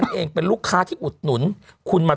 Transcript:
เขาก็เลยเสียะกันมาเบา